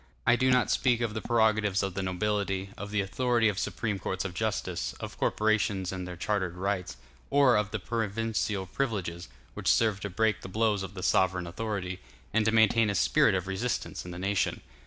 I do not speak of the prerogatives of the nobility, of the authority of supreme courts of justice, of corporations and their chartered rights, or of provincial privileges, which served to break the blows of the sovereign authority, and to maintain a spirit of resistance in the nation.